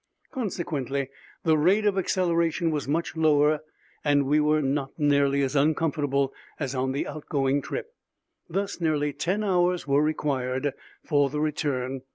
Consequently, the rate of acceleration was much lower and we were not nearly as uncomfortable as on the outgoing trip. Thus, nearly ten hours were required for the return.